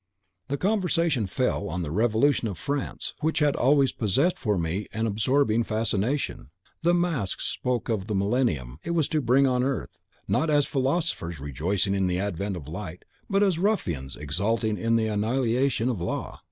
The conversation fell on the Revolution of France, which had always possessed for me an absorbing fascination. The masks spoke of the millennium it was to bring on earth, not as philosophers rejoicing in the advent of light, but as ruffians exulting in the annihilation of law.